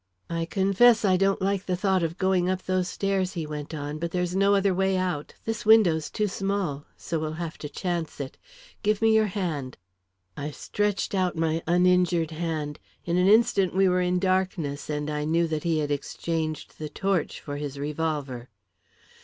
"I confess I don't like the thought of going up those stairs," he went on, "but there's no other way out. This window's too small. So we'll have to chance it. Give me your hand." I stretched out my uninjured hand. In an instant we were in darkness, and I knew that he had exchanged the torch for his revolver.